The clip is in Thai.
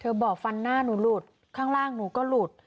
บอกฟันหน้าหนูหลุดข้างล่างหนูก็หลุด